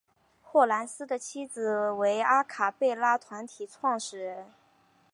霍蓝斯的妻子为阿卡贝拉团体创始人。